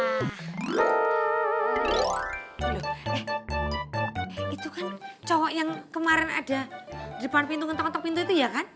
eh itu kan cowok yang kemaren ada di depan pintu ngotong ngotong pintu itu ya kan